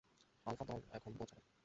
Alpha দল এখন পৌঁছাবে।